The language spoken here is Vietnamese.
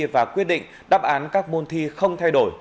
và quyết định đáp án các môn thi không thay đổi